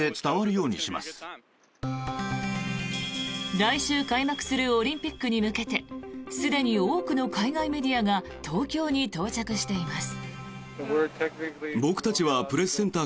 来週開幕するオリンピックに向けてすでに多くの海外メディアが東京に到着しています。